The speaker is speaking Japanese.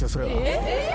えっ！？